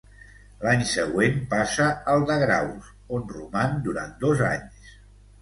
L'any següent passa al de Graus, on roman durant dos anys.